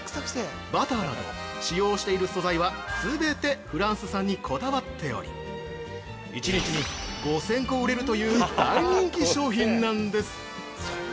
バターなど、使用している素材は全てフランス産にこだわっており１日に５０００個売れるという大人気商品なんです。